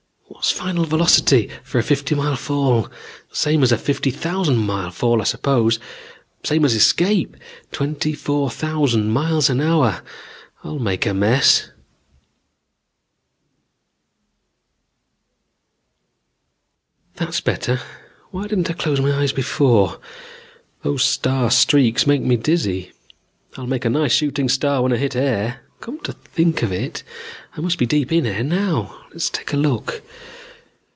What's final velocity for a fifty mile fall? Same as a fifty thousand mile fall, I suppose; same as escape; twenty four thousand miles an hour. I'll make a mess ..."That's better. Why didn't I close my eyes before? Those star streaks made me dizzy. I'll make a nice shooting star when I hit air. Come to think of it, I must be deep in air now. Let's take a look.